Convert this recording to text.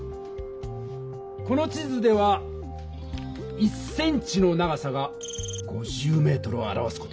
この地図では１ｃｍの長さが５０ｍを表す事になっている。